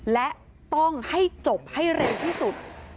และต้องให้จบให้เร็วที่สุด